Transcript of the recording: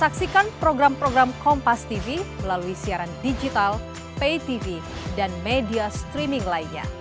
kompastv melalui siaran digital paytv dan media streaming lainnya